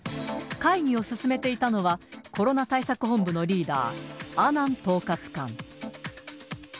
会議を進めていたのは、コロナ対策本部のリーダー、阿南統括官。